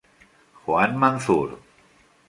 Juan Manzur.